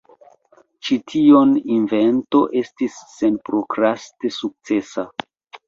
Ĉi tio invento estis senprokraste sukcesa.